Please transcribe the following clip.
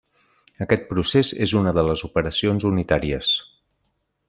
Aquest procés és una de les operacions unitàries.